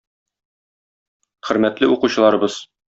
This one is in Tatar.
Хөрмәтле укучыларыбыз!